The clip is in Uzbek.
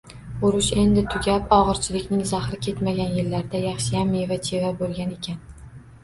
Urush endi tugab, og‘irchilikning zahri ketmagan yillarda yaxshiyam meva-cheva bo‘lgan ekan.